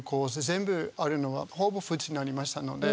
全部あるのはほぼ普通になりましたので。